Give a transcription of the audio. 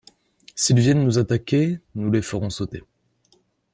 S'ils viennent nous attaquer Nous les ferons sauter.